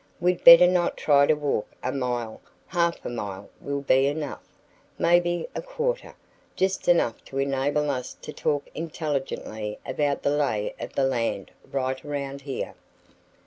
We'd better not try to walk a mile half a mile will be enough, maybe a quarter just enough to enable us to talk intelligently about the lay of the land right around here."